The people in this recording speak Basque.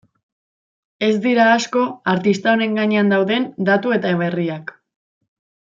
Ez dira asko artista honen gainean dauden datu eta berriak.